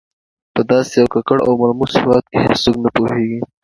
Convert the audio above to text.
په داسې یو ککړ او مرموز هېواد کې هېڅوک نه پوهېږي.